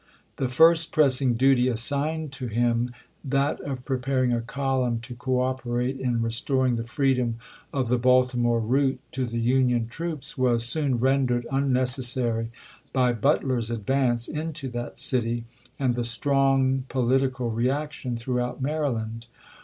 The first pressing duty assigned to him, that of prepar ing a column to cooperate in restoring the freedom of the Baltimore route to the Union troops, was soon rendered unnecessary by Butler's advance into that city, and the strong political reaction throughout Maryland.